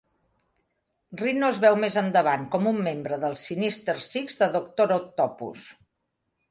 Rhino és veu més endavant com un membre dels Sinister Six de Doctor Octopus.